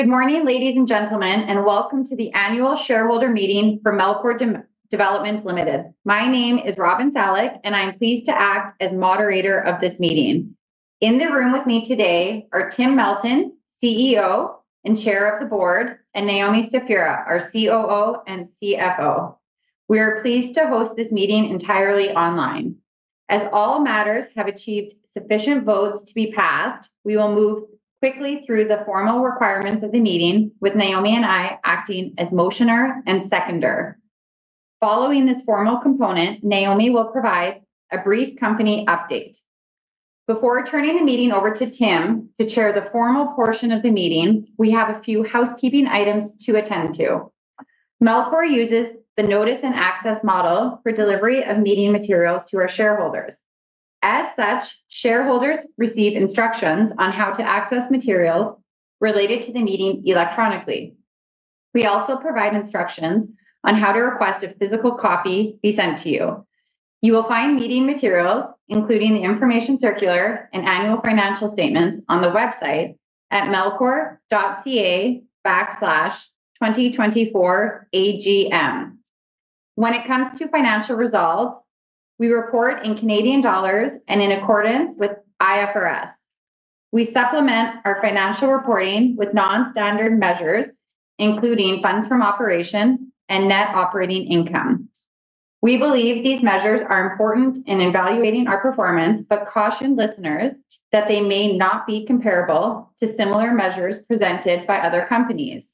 Good morning, ladies and gentlemen, and welcome to the annual shareholder meeting for Melcor Developments Limited. My name is Robin Sellick, and I'm pleased to act as moderator of this meeting. In the room with me today are Tim Melton, CEO and Chair of the Board, and Naomi Stefura, our COO and CFO. We are pleased to host this meeting entirely online. As all matters have achieved sufficient votes to be passed, we will move quickly through the formal requirements of the meeting with Naomi and I acting as motioner and seconder. Following this formal component, Naomi will provide a brief company update. Before turning the meeting over to Tim to chair the formal portion of the meeting, we have a few housekeeping items to attend to. Melcor uses the notice-and-access model for delivery of meeting materials to our shareholders. As such, shareholders receive instructions on how to access materials related to the meeting electronically. We also provide instructions on how to request a physical copy be sent to you. You will find meeting materials, including the information circular and annual financial statements, on the website at melcor.ca/2024agm. When it comes to financial results, we report in Canadian dollars and in accordance with IFRS. We supplement our financial reporting with non-standard measures, including funds from operations and net operating income. We believe these measures are important in evaluating our performance, but caution listeners that they may not be comparable to similar measures presented by other companies.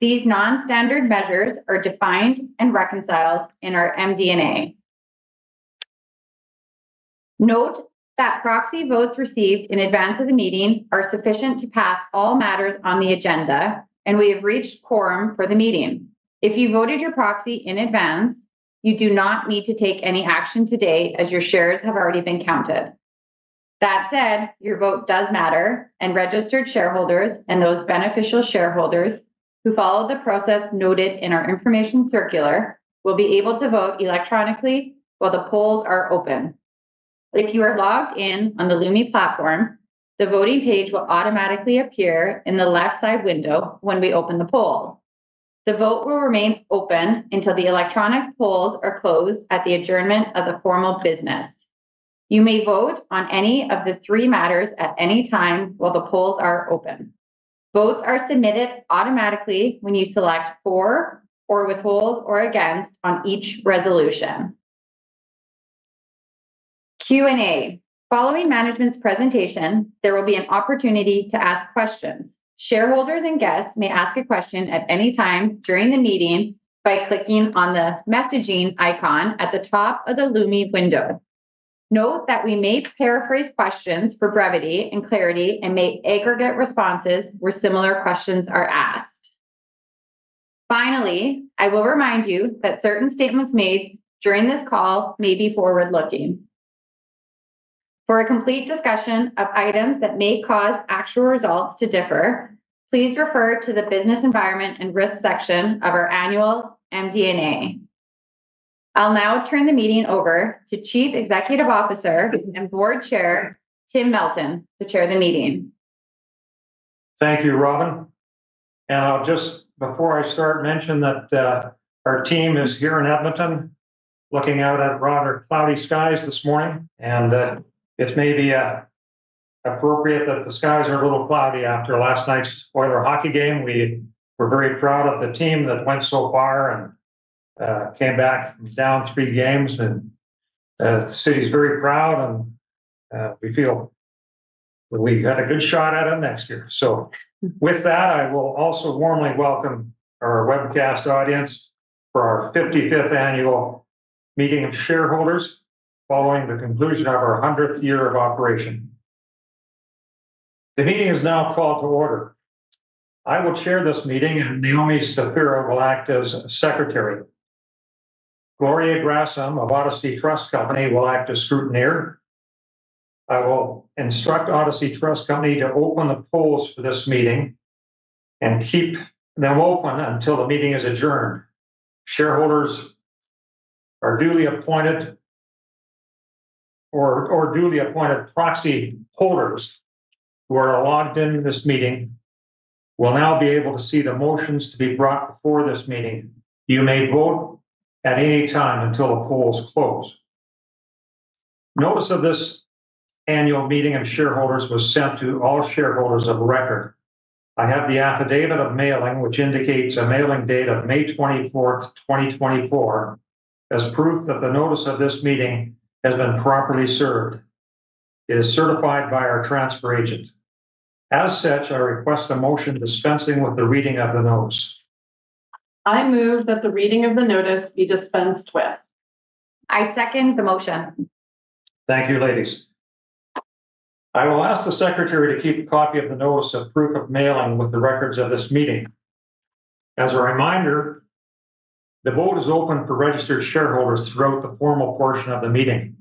These non-standard measures are defined and reconciled in our MD&A. Note that proxy votes received in advance of the meeting are sufficient to pass all matters on the agenda, and we have reached quorum for the meeting. If you voted your proxy in advance, you do not need to take any action today, as your shares have already been counted. That said, your vote does matter, and registered shareholders and those beneficial shareholders who followed the process noted in our information circular will be able to vote electronically while the polls are open. If you are logged in on the Lumi platform, the voting page will automatically appear in the left side window when we open the poll. The vote will remain open until the electronic polls are closed at the adjournment of the formal business. You may vote on any of the three matters at any time while the polls are open. Votes are submitted automatically when you select for or withhold or against on each resolution. Q&A. Following management's presentation, there will be an opportunity to ask questions. Shareholders and guests may ask a question at any time during the meeting by clicking on the messaging icon at the top of the Lumi window. Note that we may paraphrase questions for brevity and clarity and may aggregate responses where similar questions are asked. Finally, I will remind you that certain statements made during this call may be forward-looking. For a complete discussion of items that may cause actual results to differ, please refer to the business environment and risk section of our annual MD&A. I'll now turn the meeting over to Chief Executive Officer and Board Chair, Tim Melton, to chair the meeting. Thank you, Robin. I'll just, before I start, mention that our team is here in Edmonton, looking out at rather cloudy skies this morning, and it may be appropriate that the skies are a little cloudy after last night's Oilers hockey game. We were very proud of the team that went so far and came back from down 3 games, and the city's very proud, and we feel that we got a good shot at them next year. With that, I will also warmly welcome our webcast audience for our 55th annual meeting of shareholders following the conclusion of our 100th year of operation. The meeting is now called to order. I will chair this meeting, and Naomi Stefura will act as secretary. Gloria Gherasim of Odyssey Trust Company will act as scrutineer. I will instruct Odyssey Trust Company to open the polls for this meeting and keep them open until the meeting is adjourned. Shareholders or duly appointed proxy holders who are logged in to this meeting will now be able to see the motions to be brought before this meeting. You may vote at any time until the polls close. Notice of this annual meeting of shareholders was sent to all shareholders of record. I have the affidavit of mailing, which indicates a mailing date of May twenty-fourth, twenty twenty-four, as proof that the notice of this meeting has been properly served. It is certified by our transfer agent. As such, I request a motion dispensing with the reading of the notice. I move that the reading of the notice be dispensed with. I second the motion. Thank you, ladies. I will ask the secretary to keep a copy of the notice of proof of mailing with the records of this meeting. As a reminder, the vote is open for registered shareholders throughout the formal portion of the meeting.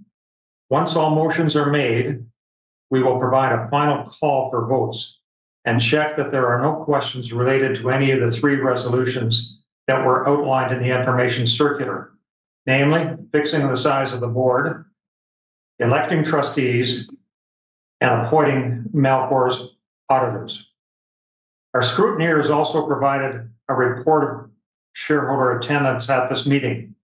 Once all motions are made, we will provide a final call for votes and check that there are no questions related to any of the three resolutions that were outlined in the information circular: namely, fixing the size of the board, electing trustees and appointing Melcor's auditors. Our scrutineers also provided a report of shareholder attendance at this meeting.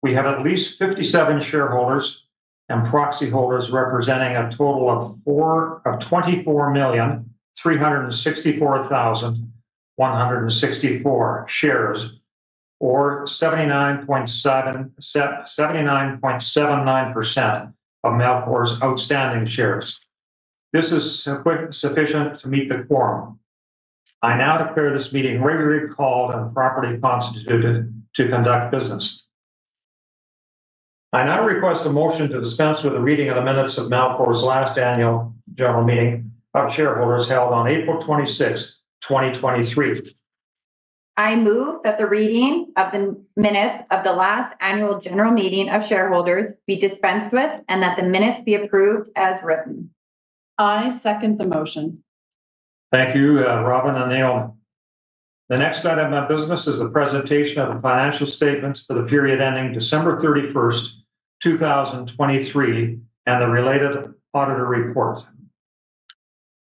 We have at least 57 shareholders and proxy holders representing a total of 24,364,164 shares, or 79.79% of Melcor's outstanding shares. This is quick, sufficient to meet the quorum. I now declare this meeting regularly called and properly constituted to conduct business. I now request a motion to dispense with the reading of the minutes of Melcor's last annual general meeting of shareholders held on April 26, 2023. I move that the reading of the minutes of the last annual general meeting of shareholders be dispensed with and that the minutes be approved as written. I second the motion. Thank you, Robin and Naomi. The next item of business is the presentation of the financial statements for the period ending December thirty-first, 2023, and the related auditor report.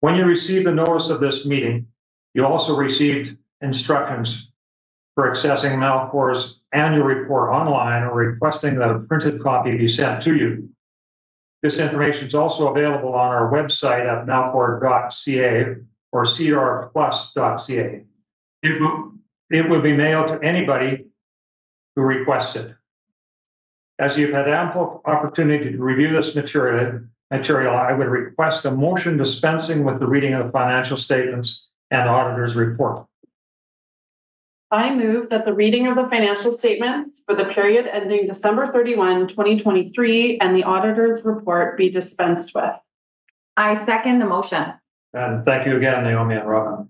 When you received the notice of this meeting, you also received instructions for accessing Melcor's annual report online or requesting that a printed copy be sent to you. This information is also available on our website at melcor.ca or sedarplus.ca. It will, it will be mailed to anybody who requests it. As you've had ample opportunity to review this material, I would request a motion dispensing with the reading of the financial statements and auditor's report. I move that the reading of the financial statements for the period ending December 31, 2023, and the auditor's report be dispensed with. I second the motion. Thank you again, Naomi and Robin.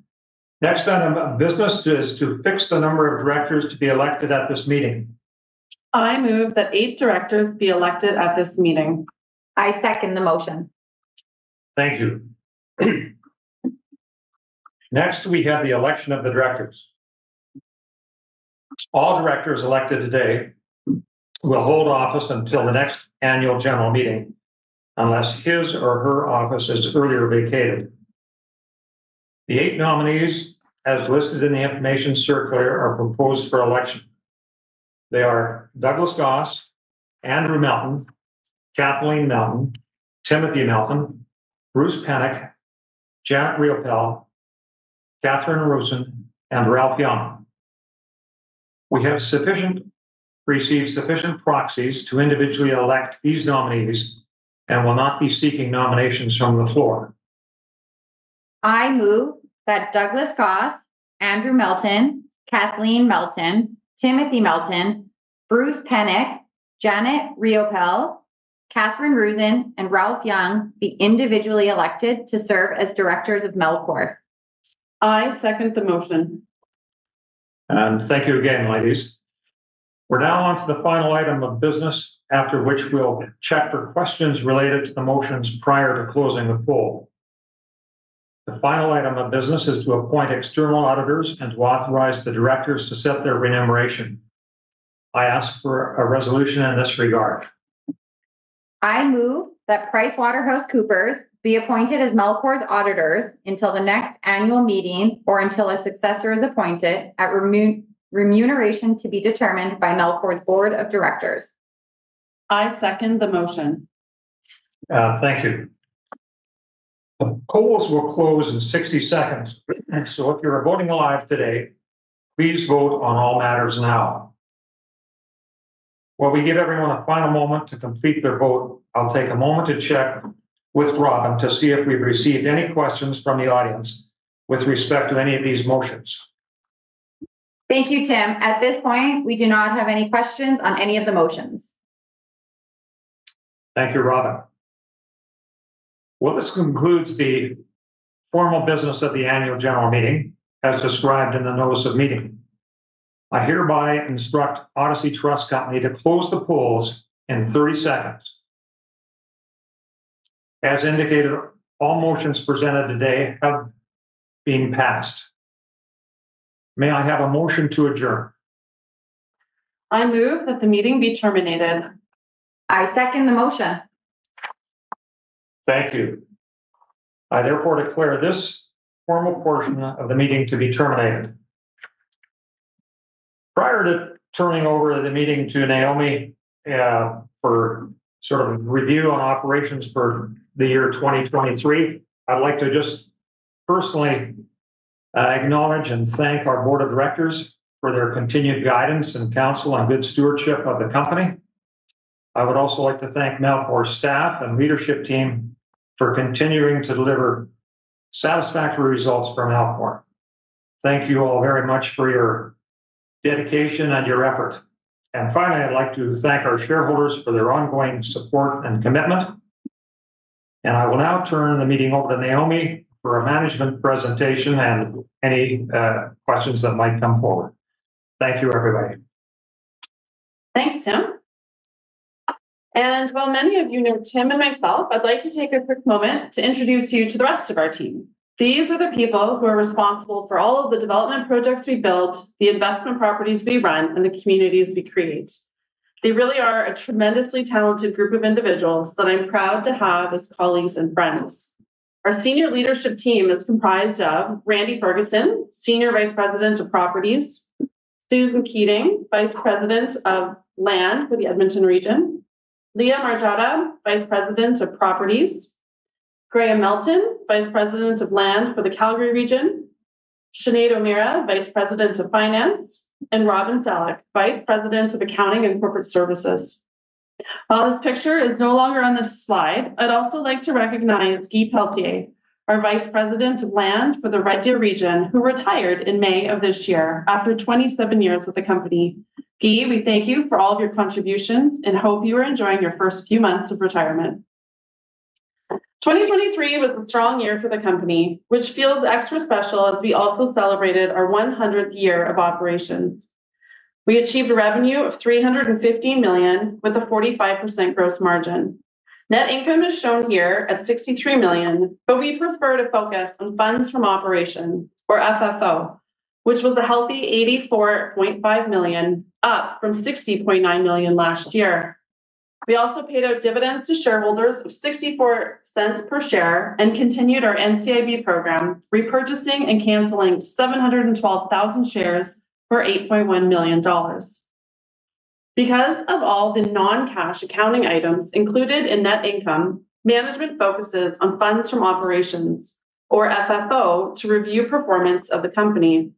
Next item of business is to fix the number of directors to be elected at this meeting. I move that eight directors be elected at this meeting. I second the motion. Thank you. Next, we have the election of the directors. All directors elected today will hold office until the next annual general meeting, unless his or her office is earlier vacated. The eight nominees, as listed in the information circular, are proposed for election. They are Douglas Goss, Andrew Melton, Kathleen Melton, Timothy Melton, Bruce Pennock, Janet Riopel, Catherine Roozen, and Ralph Young. We have received sufficient proxies to individually elect these nominees and will not be seeking nominations from the floor. I move that Douglas Goss, Andrew Melton, Kathleen Melton, Timothy Melton, Bruce Pennock, Janet Riopel, Catherine Roozen, and Ralph Young be individually elected to serve as directors of Melcor. I second the motion. Thank you again, ladies. We're now on to the final item of business, after which we'll check for questions related to the motions prior to closing the poll. The final item of business is to appoint external auditors and to authorize the directors to set their remuneration. I ask for a resolution in this regard. I move that PricewaterhouseCoopers be appointed as Melcor's auditors until the next annual meeting or until a successor is appointed, at remuneration to be determined by Melcor's Board of Directors. I second the motion. Thank you. The polls will close in 60 seconds, so if you are voting live today, please vote on all matters now. While we give everyone a final moment to complete their vote, I'll take a moment to check with Robin to see if we've received any questions from the audience with respect to any of these motions. Thank you, Tim. At this point, we do not have any questions on any of the motions. Thank you, Robin. Well, this concludes the formal business of the annual general meeting, as described in the notice of meeting. I hereby instruct Odyssey Trust Company to close the polls in 30 seconds. As indicated, all motions presented today have been passed. May I have a motion to adjourn? I move that the meeting be terminated. I second the motion. Thank you. I therefore declare this formal portion of the meeting to be terminated. Prior to turning over the meeting to Naomi, for sort of review on operations for the year 2023, I'd like to just personally, acknowledge and thank our board of directors for their continued guidance and counsel and good stewardship of the company. I would also like to thank Melcor staff and leadership team for continuing to deliver satisfactory results for Melcor. Thank you all very much for your dedication and your effort. And finally, I'd like to thank our shareholders for their ongoing support and commitment, and I will now turn the meeting over to Naomi for a management presentation and any, questions that might come forward. Thank you, everybody. Thanks, Tim. And while many of you know Tim and myself, I'd like to take a quick moment to introduce you to the rest of our team.... These are the people who are responsible for all of the development projects we build, the investment properties we run, and the communities we create. They really are a tremendously talented group of individuals that I'm proud to have as colleagues and friends. Our senior leadership team is comprised of Randy Ferguson, Senior Vice President of Properties, Susan Keating, Vice President of Land for the Edmonton region, Leah Mazzotta, Vice President of Properties, Graham Melton, Vice President of Land for the Calgary region, Sinéad O’Meara, Vice President of Finance, and Robin Sellick, Vice President of Accounting and Corporate Services. While this picture is no longer on this slide, I'd also like to recognize Guy Pelletier, our Vice President of Land for the Red Deer region, who retired in May of this year after 27 years with the company. Guy, we thank you for all of your contributions, and hope you are enjoying your first few months of retirement. 2023 was a strong year for the company, which feels extra special as we also celebrated our 100th year of operations. We achieved a revenue of 350 million, with a 45% gross margin. Net income is shown here at 63 million, but we prefer to focus on funds from operations, or FFO, which was a healthy 84.5 million, up from 60.9 million last year. We also paid out dividends to shareholders of 0.64 per share, and continued our NCIB program, repurchasing and canceling 712,000 shares for 8.1 million dollars. Because of all the non-cash accounting items included in net income, management focuses on funds from operations, or FFO, to review performance of the company.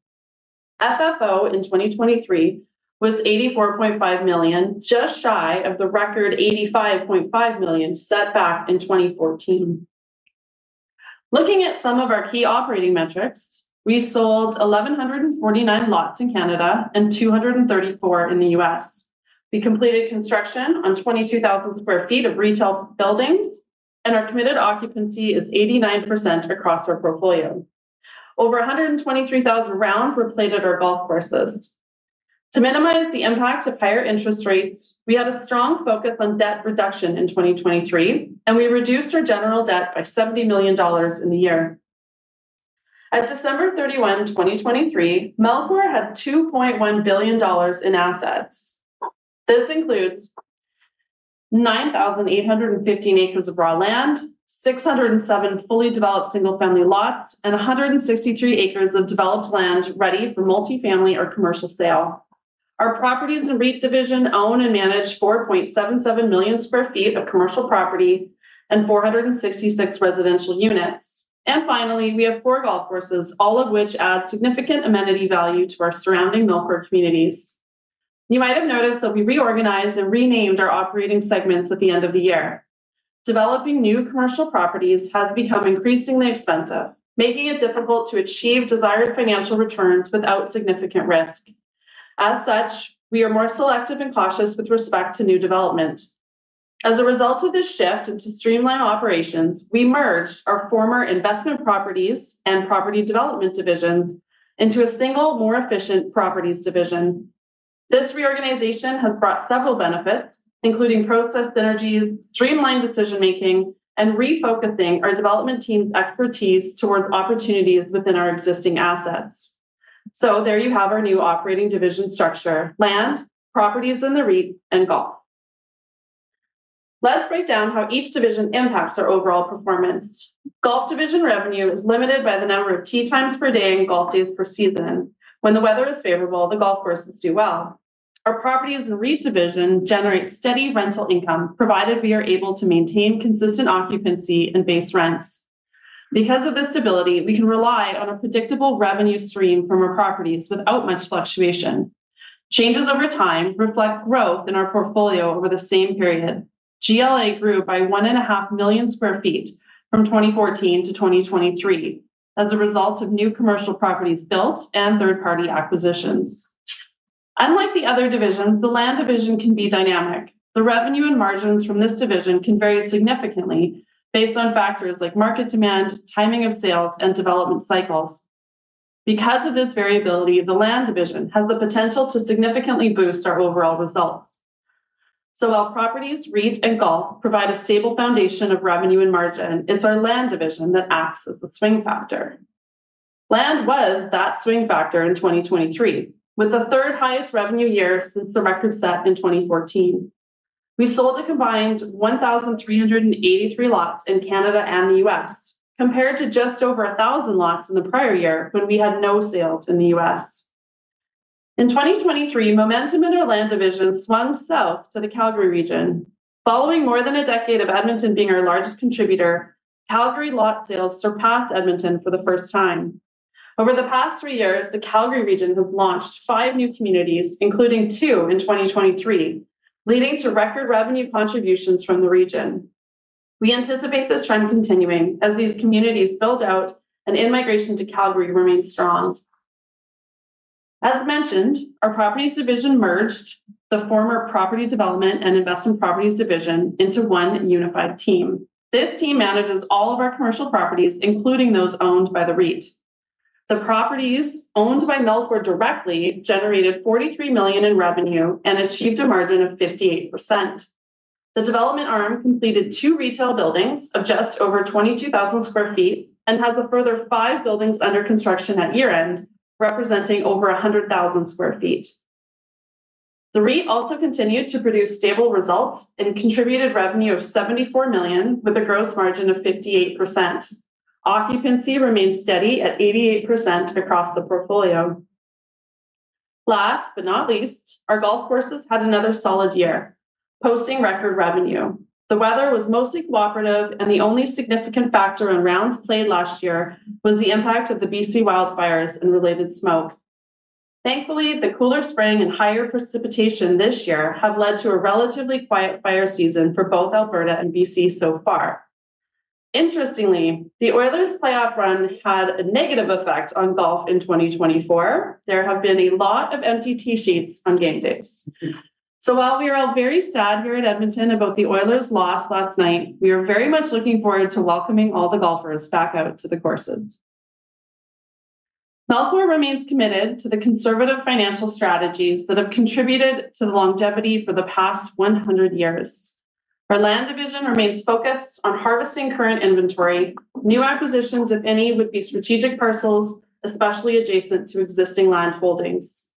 FFO in 2023 was 84.5 million, just shy of the record 85.5 million set back in 2014. Looking at some of our key operating metrics, we sold 1,149 lots in Canada and 234 in the U.S. We completed construction on 22,000 sq ft of retail buildings, and our committed occupancy is 89% across our portfolio. Over 123,000 rounds were played at our golf courses. To minimize the impact of higher interest rates, we had a strong focus on debt reduction in 2023, and we reduced our general debt by 70 million dollars in the year. At December 31, 2023, Melcor had CAD 2.1 billion in assets. This includes 9,815 acres of raw land, 607 fully developed single-family lots, and 163 acres of developed land ready for multifamily or commercial sale. Our properties and REIT division own and manage 4.77 million sq ft of commercial property and 466 residential units. Finally, we have four golf courses, all of which add significant amenity value to our surrounding Melcor communities. You might have noticed that we reorganized and renamed our operating segments at the end of the year. Developing new commercial properties has become increasingly expensive, making it difficult to achieve desired financial returns without significant risk. As such, we are more selective and cautious with respect to new development. As a result of this shift into streamlined operations, we merged our former investment properties and property development divisions into a single, more efficient properties division. This reorganization has brought several benefits, including process synergies, streamlined decision-making, and refocusing our development team's expertise towards opportunities within our existing assets. So there you have our new operating division structure: land, properties in the REIT, and golf. Let's break down how each division impacts our overall performance. Golf division revenue is limited by the number of tee times per day and golf days per season. When the weather is favorable, the golf courses do well. Our properties and REIT division generates steady rental income, provided we are able to maintain consistent occupancy and base rents. Because of this stability, we can rely on a predictable revenue stream from our properties without much fluctuation. Changes over time reflect growth in our portfolio over the same period. GLA grew by 1.5 million sq ft from 2014 to 2023 as a result of new commercial properties built and third-party acquisitions. Unlike the other divisions, the land division can be dynamic. The revenue and margins from this division can vary significantly based on factors like market demand, timing of sales, and development cycles. Because of this variability, the land division has the potential to significantly boost our overall results. So while properties, REIT, and golf provide a stable foundation of revenue and margin, it's our land division that acts as the swing factor. Land was that swing factor in 2023, with the third highest revenue year since the record set in 2014. We sold a combined 1,383 lots in Canada and the U.S., compared to just over 1,000 lots in the prior year when we had no sales in the U.S. In 2023, momentum in our land division swung south to the Calgary region. Following more than a decade of Edmonton being our largest contributor, Calgary lot sales surpassed Edmonton for the first time. Over the past three years, the Calgary region has launched five new communities, including two in 2023, leading to record revenue contributions from the region. We anticipate this trend continuing as these communities build out and in-migration to Calgary remains strong. As mentioned, our properties division merged the former property development and investment properties division into one unified team. This team manages all of our commercial properties, including those owned by the REIT... The properties owned by Melcor directly generated 43 million in revenue and achieved a margin of 58%. The development arm completed two retail buildings of just over 22,000 sq ft, and has a further five buildings under construction at year-end, representing over 100,000 sq ft. The REIT also continued to produce stable results and contributed revenue of 74 million, with a gross margin of 58%. Occupancy remains steady at 88% across the portfolio. Last but not least, our golf courses had another solid year, posting record revenue. The weather was mostly cooperative, and the only significant factor in rounds played last year was the impact of the BC wildfires and related smoke. Thankfully, the cooler spring and higher precipitation this year have led to a relatively quiet fire season for both Alberta and BC so far. Interestingly, the Oilers playoff run had a negative effect on golf in 2024. There have been a lot of empty tee sheets on game days. So while we are all very sad here in Edmonton about the Oilers loss last night, we are very much looking forward to welcoming all the golfers back out to the courses. Melcor remains committed to the conservative financial strategies that have contributed to the longevity for the past 100 years. Our land division remains focused on harvesting current inventory. New acquisitions, if any, would be strategic parcels, especially adjacent to existing land holdings.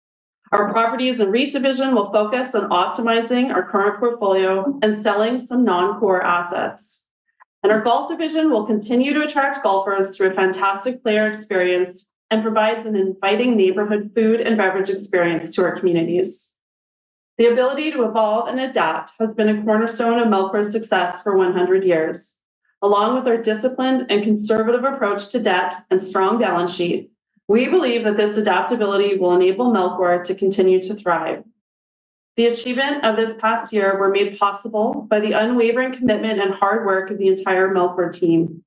Our properties and REIT division will focus on optimizing our current portfolio and selling some non-core assets. Our golf division will continue to attract golfers through a fantastic player experience, and provides an inviting neighborhood food and beverage experience to our communities. The ability to evolve and adapt has been a cornerstone of Melcor's success for 100 years. Along with our disciplined and conservative approach to debt and strong balance sheet, we believe that this adaptability will enable Melcor to continue to thrive. The achievement of this past year were made possible by the unwavering commitment and hard work of the entire Melcor team.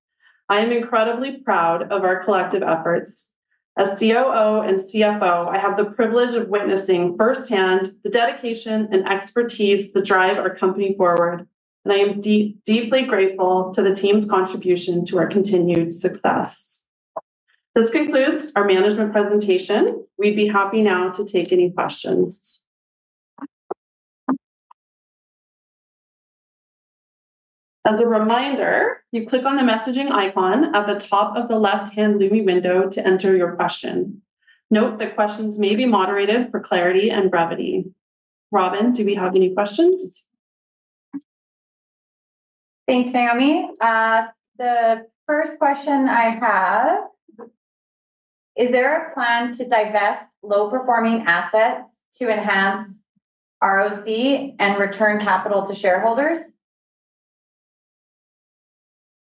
I am incredibly proud of our collective efforts. As COO and CFO, I have the privilege of witnessing firsthand the dedication and expertise that drive our company forward, and I am deeply grateful to the team's contribution to our continued success. This concludes our management presentation. We'd be happy now to take any questions. As a reminder, you click on the messaging icon at the top of the left-hand Lumi window to enter your question. Note that questions may be moderated for clarity and brevity. Robin, do we have any questions? Thanks, Naomi. The first question I have: Is there a plan to divest low-performing assets to enhance ROC and return capital to shareholders?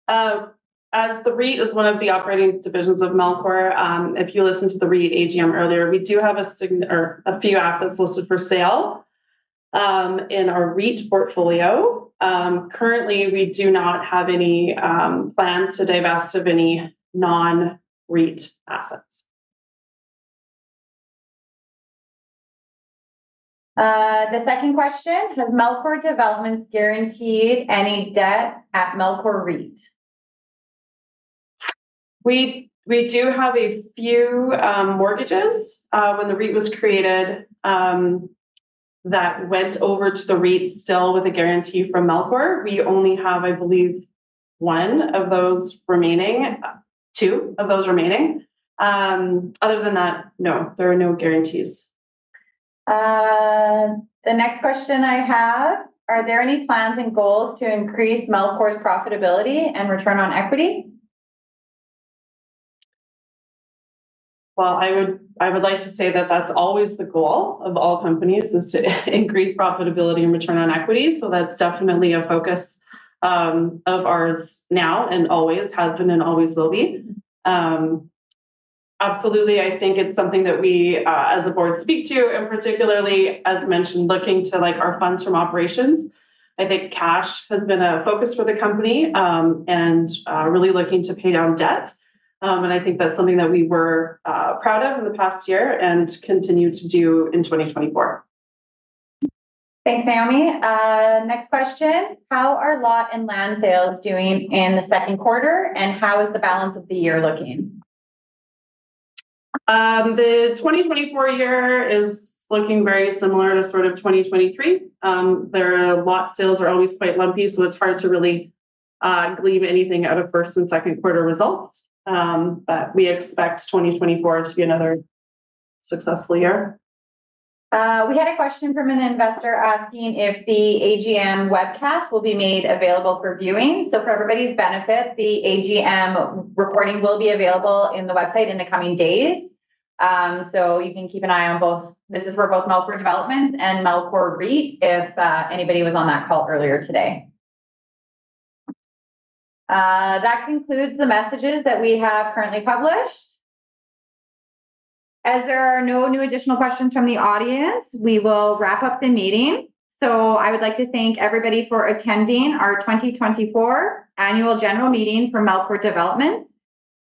As the REIT is one of the operating divisions of Melcor, if you listen to the REIT AGM earlier, we do have a few assets listed for sale, in our REIT portfolio. Currently, we do not have any plans to divest of any non-REIT assets. The second question: Has Melcor Developments guaranteed any debt at Melcor REIT? We do have a few mortgages when the REIT was created that went over to the REIT, still with a guarantee from Melcor. We only have, I believe, one of those remaining, two of those remaining. Other than that, no, there are no guarantees. The next question I have: Are there any plans and goals to increase Melcor's profitability and return on equity? Well, I would, I would like to say that that's always the goal of all companies, is to increase profitability and return on equity, so that's definitely a focus of ours now and always, has been and always will be. Absolutely, I think it's something that we, as a board, speak to, and particularly, as mentioned, looking to, like, our funds from operations. I think cash has been a focus for the company, and really looking to pay down debt. And I think that's something that we were proud of in the past year and continue to do in 2024. Thanks, Naomi. Next question: How are lot and land sales doing in the second quarter, and how is the balance of the year looking? The 2024 year is looking very similar to sort of 2023. Their lot sales are always quite lumpy, so it's hard to really believe anything out of first and second quarter results. We expect 2024 to be another successful year. We had a question from an investor asking if the AGM webcast will be made available for viewing. So for everybody's benefit, the AGM reporting will be available in the website in the coming days. So you can keep an eye on both. This is for both Melcor Developments and Melcor REIT, if anybody was on that call earlier today. That concludes the messages that we have currently published. As there are no new additional questions from the audience, we will wrap up the meeting. So I would like to thank everybody for attending our 2024 annual general meeting for Melcor Developments.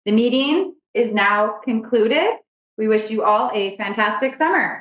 The meeting is now concluded. We wish you all a fantastic summer!